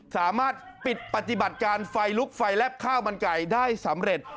สามารถปิดปฏิบัติการไฟลุกไฟแลบข้าวมันไก่ได้สำเร็จ